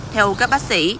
theo các bác sĩ